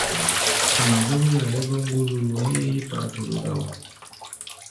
Ɛnɛ zɔ́k yí-a hégɔ́ ŋgúlúlú héé yí-paturu gá wo.